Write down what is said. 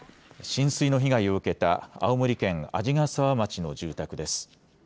浸水の被害を受けた青森県鰺ヶ沢町の住宅です。